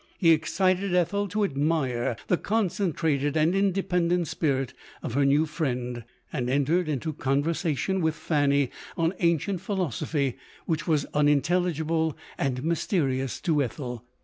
He excited Ethel to admire the concentrated and independent spirit of her new friend ; and entered into conversation with Fanny on ancient philosophy, which was unin telligible and mysterious to Ethel.